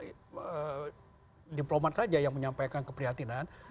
tapi bukan hanya komunitas diplomat saja yang menyampaikan keprihatinan